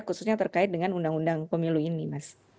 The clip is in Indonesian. khususnya terkait dengan undang undang pemilu ini mas